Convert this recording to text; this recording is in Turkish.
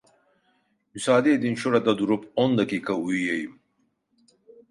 Müsaade edin, şurada durup on dakika uyuyayım…